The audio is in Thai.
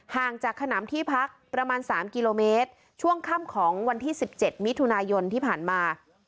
ห่างจากขนำที่พักประมาณ๓กิโลเมตรช่วงค่ำของวันที่๑๗มิถุนายนที่ผ่านมา